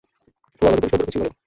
ও আমাকে পরিষ্কার করে কিছুই বলেনি।